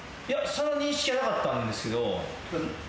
その認識はなかったんですけど。